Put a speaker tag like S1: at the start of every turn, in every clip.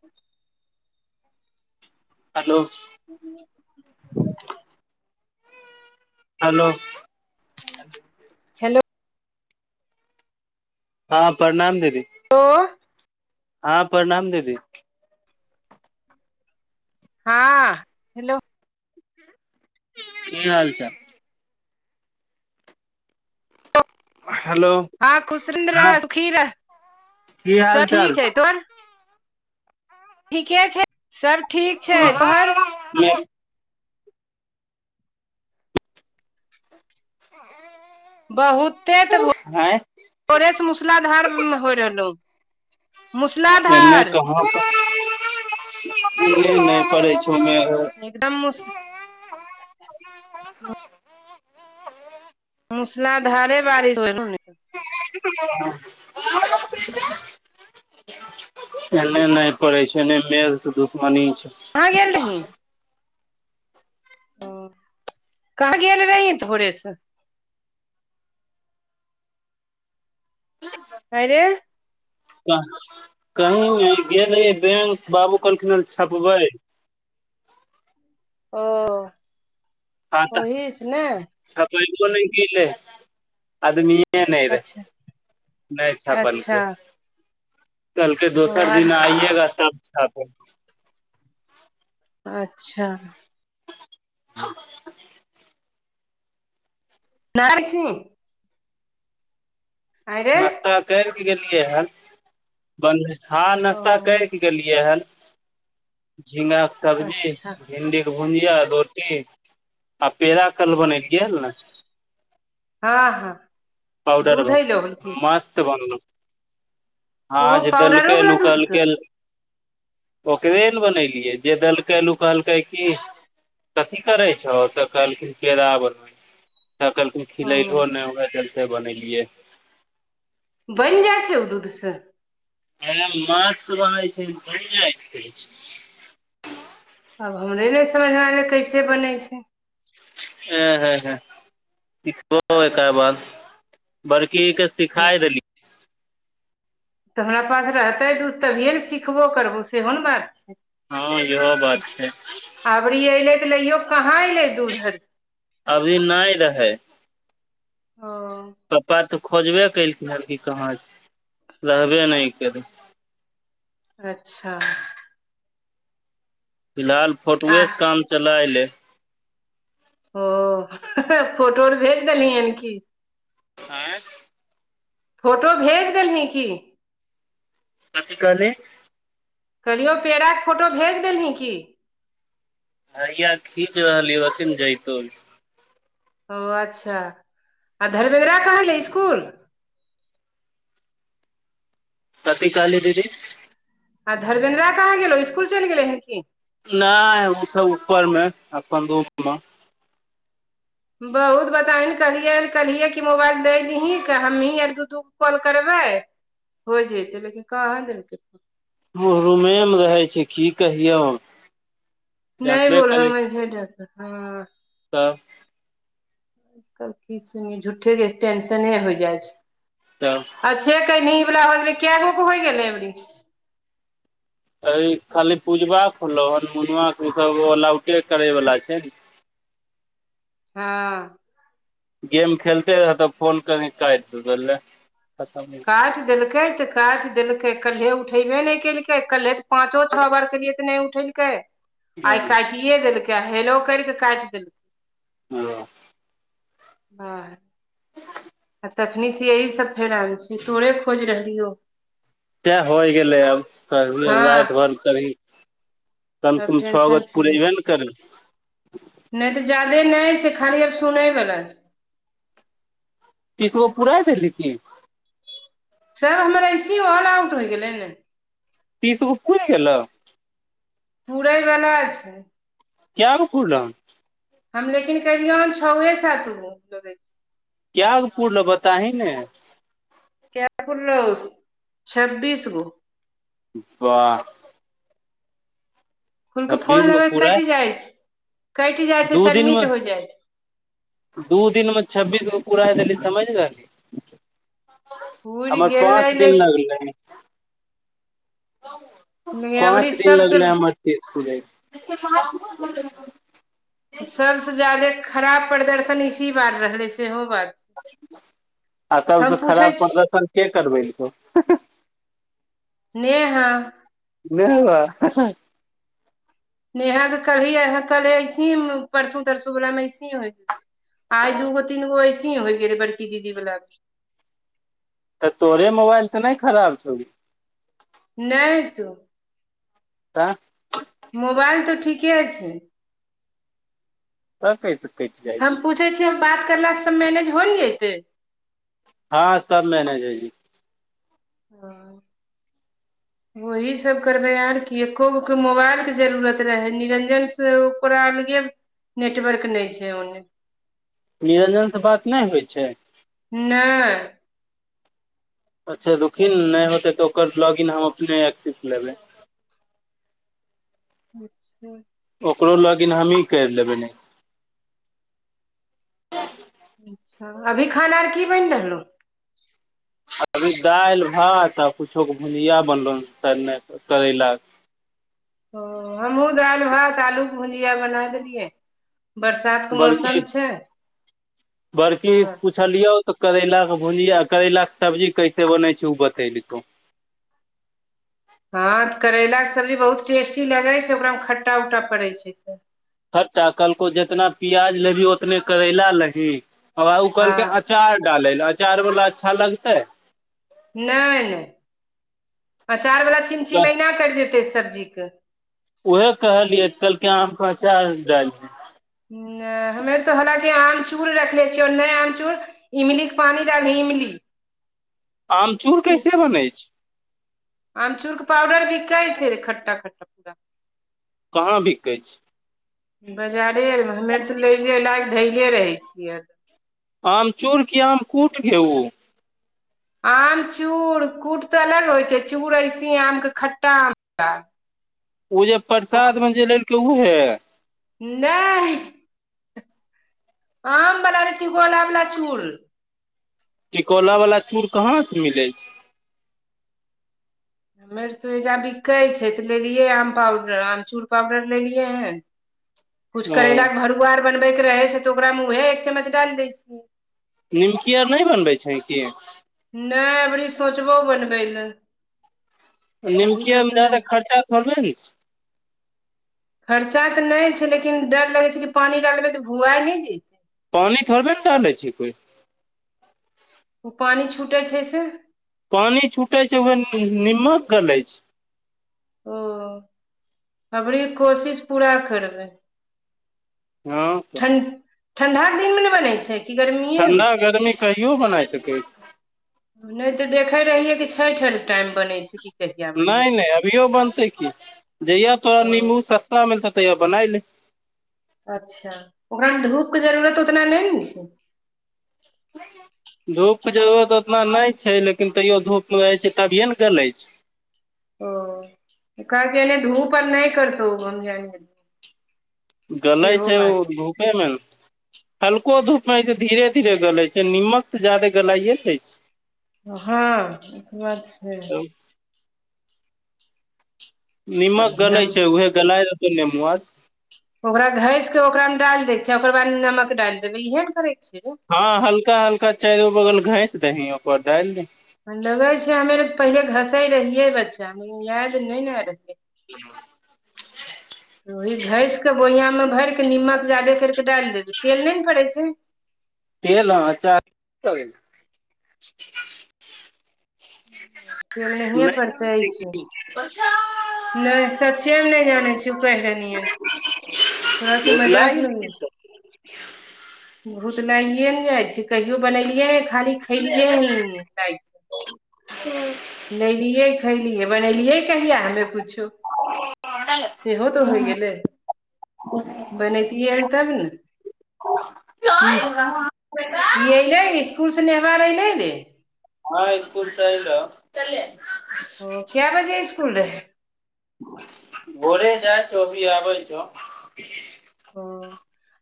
S1: ह
S2: हेलो,
S1: ह
S2: hello,
S1: hello,
S2: हँ प्रणाम दीदी, हँ प्रणाम दीदी।
S1: हँ हेलो,
S2: की हाल चाल? हेलो,
S1: हँ खुशीन्द
S2: हँ
S1: रह सुखी रह।
S2: की
S1: सब
S2: हाल
S1: ठीक
S2: चाल
S1: छैै तोर? ठीके छै सब ठीक छै तोहर?
S2: [inaudible]
S1: बहुते त
S2: आँय
S1: भोरे सँ मूसलाधार होय रहलौ।
S2: एन्ने
S1: मूसलाधार
S2: कहा छै [inaudible]
S1: एकदम मुस मूसलाधारे बारिश होय रहलै हें।
S2: [inaudible] [inaudible] एन्ने नै पड़ै छै एन्ने [unintelligible] से दुश्मनी छै।
S1: कहां गेल रहीं? ओ कहां गेल रही भोरे से? आंय रे।
S2: कह -कही नै गेल रहियै बैंक बाबू कहलखिन हन छपबै।
S1: ओ
S2: खाता
S1: ओही स ने।
S2: छपैबो नै केलय आदमीये मीये नै
S1: अच्छा
S2: रहै नै
S1: अच्छा
S2: छपलकै। कहलकै
S1: ओ
S2: दोसर
S1: आज
S2: दिना आइयेगा तब छापे
S1: अच्छा। नहाइ छी। अरे
S2: नश्ता कैर के गेलियै हन हॅं नश्ता
S1: ओ
S2: कैर केलिए हन झींगा के सब्जी,
S1: अच्छा
S2: भिंडी भुजिया रोटी आ पेड़ा कल बनेलियै हन नै।
S1: हां-हां।
S2: पाउडर बला मस्त बनलौ।
S1: ओहो
S2: आज
S1: पाउडरो
S2: देलके
S1: वाला
S2: लूं उ
S1: दूध
S2: कहल
S1: के
S2: रहे ओकरे नै बनेलियै जे देलकै नै उ कहलकै की कथी करय छहो तऽ कहल कै पेड़ा बनबय तऽ कहलखिन्ह
S1: ओ
S2: खिलेलहो नै उहे चलते बनेलियै।
S1: बैन जाए छै उ दूध से
S2: ऐऽ मस्त बनय छै, बैन जाय छै।
S1: आब हमरे नै समझ में आय रहले कैसे बनय छै।
S2: [unintelligible] सीखहो ऐकर बाद बड़की दी के
S1: ओ
S2: सिखाय देल
S1: तऽ हमरा पास रहतै दूध तभिए नै सिखबो करबो सेहो नै बात छै।
S2: हां ईहो बात छै।
S1: अबरी ऐलय तै लईयो के कहाँ एलय दूध आर
S2: अभी नै रहय।
S1: औ
S2: पप्पा तऽ खोजबे कलखिन्ह हें कि कहाँ छै, रहबे नै केलय।
S1: अच्छा।
S2: फिलहाल फोटुए
S1: आह
S2: से काम चलाय लै।
S1: हो फोटो आर भेज देल्हीहन की।
S2: ऐं
S1: फोटो भेज देल्ही की?
S2: कथि कहली।
S1: कहलियो पेड़ा के फोटो भेज देल्ही की।
S2: हैया खीच रहलीयो अखिन जएतो अभी।
S1: औ अच्छा आ धर्मेन्द्रा कहा छै स्कूल।
S2: कथि कहलीह दीदी।
S1: आ धर्मेन्द्रा कहाँ गेलौं स्कूल चैल गेलैहन की।
S2: नै उ सब ऊपर मे अपन रूम मे।
S1: बहुत बताही कहलिएहन कहलिए की मोबाइल दै दही की हमनी आर दू-दूगो कॉल करबै हो जेतय लेकिन कहाँ देलके।
S2: उ रूमे मे रहय छै की कहियौ
S1: नै
S2: जानबे
S1: बोल
S2: करै
S1: हम्मे
S2: छी
S1: [unintelligible]
S2: तब
S1: तब की सुनिए झूठे के टेंशने होय जाए छै।
S2: तब
S1: अच्छे केहनी ई बला होए गेलय कैगो के होय गेलय ऐबरी
S2: ऐ खाली पूजबा के होलो हन मुनआ के ई सब अलाउटे करय बला छै।
S1: हां।
S2: गेम खेलते रहतो फोन करीह त एतो दोरलै
S1: काएट देलकै तऽ काएट देलकै कल्हे उठेबे नै केलकै कल्हे पाँचो छ बार केलियै तऽ नै उठेल कै
S2: हँ
S1: आय काटीए ईए देलके हेलो कैर कै काएट देल
S2: हँ
S1: हँ आ तखनी से यह सब फेर आब छी, तोरे खोज रहलियौ।
S2: तै होइ गेलै आब, कहभ
S1: हँ
S2: लाइट बंद करी। कम से
S1: आब
S2: कम छओ
S1: टेंशन
S2: बगे
S1: फ्री
S2: पूरेएबे ने करबै।
S1: नहि तऽ जादे नहि छै, खाली आब सुनैवला छै।
S2: तिसगो पुराय देली की?
S1: सर हमर ऐसे ऑल आउट होइ गेलै ने।
S2: तीसगो पूुरे गेलउ?
S1: पूुरै बला छै।
S2: कैगो पूरलौ?
S1: हम लेकिन कलियै हन छए सागो।
S2: क्यागो पूरलो बताही ने।
S1: केगो पुरलो छबिश गो।
S2: वाह!
S1: कुल के फोन
S2: छब्बीस गो
S1: लगे के
S2: पुराय
S1: कटि जाय छै, कटि जाइ
S2: दू
S1: छै
S2: दिन मे
S1: सबमिट हो जाय छै।
S2: दू दिनमे छब्बीस गो पूरा देलही समझ रहली।
S1: पुरि
S2: हमर
S1: गेलै
S2: पाँच दिन
S1: लेकिन
S2: लागलै।
S1: अबरी
S2: पाँच दिन
S1: सबसे
S2: लगले हमर तीस दिन पुरै मे।
S1: सबसे ज्यादे खराब प्रदर्शन, इसी बार रहलै सेहो बात।
S2: आ सबसँ
S1: हम पूछै
S2: खराब
S1: छी
S2: प्रदर्शन के करबेलकौ।
S1: नेहा।
S2: नेहरा।
S1: नेहा कभी कले ऐसे परसू -तरसू वालला मे ऐसे ही होइ। आइ दूगो तीन गो ऐसे ही होइ गेल रहे, बड़की दीदी बला मे।
S2: तऽ तोरे मोबाइल तऽ नहि खराब छौ।
S1: नेट
S2: तऽ
S1: मोबाल तऽ ठीके छै।
S2: तऽकतै
S1: हम पूछै छियौ, बात करलास से सब मैनेज हो ने जतै।
S2: हँ, सब मैनेज होइ जे ह
S1: वह सब करबै आर कि, एको गो के मोबाइल के जरूरत रहै, निरंजन से ओकरा अलगे नेटवर्क नहि छै ओन्ने।
S2: निरंजन से बात नहि होइ छै?
S1: नै।
S2: अच्छा! रुखिन नै होतै तऽ, ओकर लॉगिन हम अपने एक्सेस लेबै।
S1: बछ [unintelligible]
S2: ओकरो लॉगिन हमहीं कैरि लेबै ने
S1: अभी खाना आर की बनि रहलौ?
S2: अभी दालि -भात, आ कुछोके के भुजिया बनलोहे करैलाके।
S1: ओ, हमहूं दालि -भात आलूके भुजिया बना देलियै। बरसात के मौसम
S2: बड़की
S1: छै, है।
S2: छलियौ तऽ, करैलाके भुजिया करैलाके सब्जी कैसे बनै छै, ऊ बतेलको।
S1: हँ तऽ करैलाक के सब्जी बहुत टेस्टी लगै छै ओकरामे खट्टा उट्टा पड़ै छै तऽ।
S2: खट्टा कहलको जितना प्याज लेभीह उतने करैला लही ओ कहलके अच
S1: हँ
S2: चार डाले लऽ अचार बला अच्छा लगतै।
S1: नै नै अचार बला चीम चिमैना करि देतै सब्जी के।
S2: उहे कहलियै कहलके आम अचार डालिहे।
S1: नै हमे त हलाकि आमचूर रखलने छियौ नै आमचूर इमलीके पानी डाल दही इमली।
S2: आमचूर कैसे बनै छै।
S1: अमचूर के पाउडर बिकै छै रे खट्टा खट्टा पूरा।
S2: कहाँ बिकै छै?
S1: बाजारे आर मे हमा आर तऽ लैेले लायक धैले रहै छियै।
S2: आमचूर की आमकूट गे ऊ।
S1: आम चूड़ कूट तऽ अलग होइ छै चूर ऐसे आमके खट्टा आम [unintelligible]
S2: ओ जे प्रसाद में जे लेलके उहे।
S1: नहि आम बला रे टिकोला बला चूर।
S2: टिकोला वाला चूड़ कहाँ से मिलै छै।
S1: मेरे तऽएहिइजाँ बिकै छै तऽ लेलिये आम पाउडर आमचूर पाउडर लेलिये हन।
S2: [inaudible]
S1: कुछ करैलाके भरुआ आर बनबैके रहै छै तऽ ओकरामे उह एक चम्मच डाइल दै छियै।
S2: निमकी आर नहि बनबै छही की?
S1: नै अबरी सोचबहु बनबै लए। अभी
S2: निमकिया आर
S1: तक
S2: मे
S1: तऽ
S2: जादा
S1: नहि
S2: खर्चा थोड़बे ने छै।
S1: खर्चा तऽ नहि छै लेकिन डर लगे छै कि पानी डालबे तऽ भुआ नहि जे।
S2: पानि थोड़बे ने डालै छै कोइ।
S1: उ पानि छूटे छै से।
S2: पानि छूटै छै ओ नीमक गलै छै।
S1: ओ अइबरि कोशिश पूरा करबैय।
S2: हँ तऽ
S1: ठंड ठण्डाक दिन मे नहि बनै छै। कि गर्मिएमे
S2: ठण्डा गर्मी कहियो बनाय सकै छी।
S1: नहि ते देखे रहियै क छठि अरि टाइम मे बनै छै। कि कहिया बनै छै
S2: नहि नहि अभियो बनतै की जहिया तोरा
S1: ओ
S2: निम्बू सस्ता मिलतो ताहिया बनाइलै।
S1: अच्छा ओकरामे धूप के जरूरत उतना नहि ने छै।
S2: धूपके जरूरत उतना नहि छै लेकिन तैयो धूपमे रहै छै तभिए ने गलै छै।
S1: ओ कहलकों धूप आर नहि करतौ [unintelligible]
S2: गलैय
S1: सेहो
S2: छै ओ
S1: बात
S2: धूपेमे ने। हल्को धूप में एसे धीरे धीरे गले छै नीमक तऽ ज्यादे गलाइये न दै छै।
S1: हँ ई बात छै।
S2: नीमक गलै
S1: नम
S2: छै उहे गलाय देत नेमो आर।
S1: ओकरा घैस के ओकरा मे डालि दै छ ओकर बाद नमक डालि देबै इहे न करै छियै।
S2: हँ हल्का हल्का चारो बगल घैस दही ओकर बाद डाइल दही।
S1: लगै छै हमे पहिले घसै रहियै बच्चामें लेकिन याद नहि ने रहै
S2: ह [inaudible]
S1: ओहि घैस कऽ बोइयाम मे भरिकऽ नीमक जादे कर कऽ डालि देबै तेल नहि ने पड़ैय छै।
S2: तेल आ अचार की भ गेल।
S1: तेल नहिए
S2: नहि जानै
S1: परतै ऐ
S2: छै कि
S1: स। नै सचे नै जानै छिऔ पहिले नियन [inaudible] तोरा की मजाक लगै
S2: ह
S1: भूत लागिए ने जाइ छी, कहियो बनेलियै खाली खैलियै ह [inaudible] कारि
S2: हँ
S1: लेलियै खैलियै बनेलियै कहिया हमे पुछू। [inaudible] सेहो त होइ गेलै, [inaudible] बनैतियै हल तब न? हुं [inaudible] ई ऐलै इसकुल से नेबार अइलै गे?
S2: हँ स्कूल सं अइलौ।
S1: ओ किए बजे इसकुल रहै?
S2: [inaudible] भोरे जाइ छौ, अभी आबै छौ। [inaudible] [inaudible]
S1: ह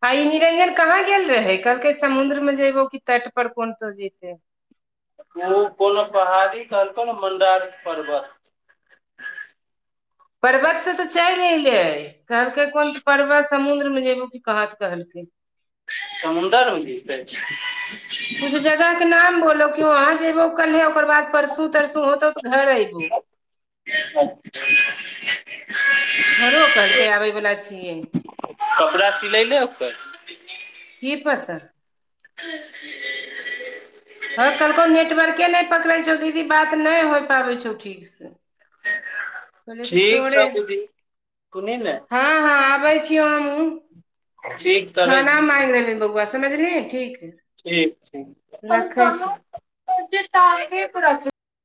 S1: आइ निरंजन कहाँ गेल रहै? कहलकै समुद्र में जैबो की तट पर कोन तो जइतै?
S2: ओ कोनो पहाड़ी कहलकौ ने मण्डार पर्वत।
S1: पर्वत सं त चलि एलै। कहलकै कोन तू परवत समुद्र में जेबो की कहाँ त कहलकै।
S2: समुन्दर मे जैतै?
S1: कुछ जगह के नाम बोललौ कि वहाँ जेबो कल्हे, ओकर बाद परसू तरसू होतौ त घर अइबौ।
S2: [unintelligible]
S1: घरो कहलकै आबै बला छियै।
S2: कपड़ा सिलैले ओकर
S1: की पता।
S2: बस
S1: हँ कहलकौ नेटवर्के नै पकड़ै छौ दीदी, बात नै हो पाबै छौ ठीकसे। [inaudible] कहलिअइ कि
S2: ठीक
S1: छोड़े
S2: छौ दीदी सुनी ने
S1: [inaudible] हँ। हं आबै छियौ हमहुं
S2: ठीक
S1: [inaudible]
S2: करै छी
S1: खाना मांगि रहलै बौआ समझली ठीक।
S2: ठीक छै।
S1: रखै छिऔ।
S2: जे ताके पर [unintelligible]